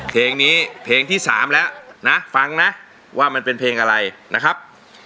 เพลงนี้เพลงที่๓แล้วนะฟังนะว่ามันเป็นเพลงอะไรนะครับ